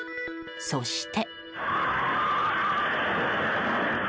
そして。